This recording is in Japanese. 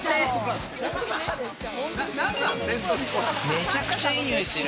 めちゃくちゃいい匂いする。